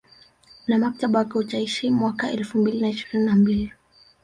Na mkataba wake utaisha mwaka elfu mbili na ishirini na mbili